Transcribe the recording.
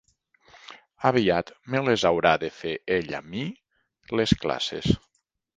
Aviat me les haurà de fer ell a mi, les classes.